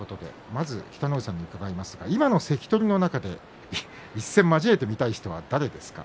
あと北の富士さんに伺いますが今の関取の中で一戦交えてみたい人は誰ですか？